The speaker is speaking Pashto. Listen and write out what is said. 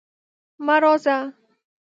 مه راځه!